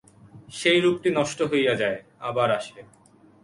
সেই রূপটি নষ্ট হইয়া যায়, আবার আসে।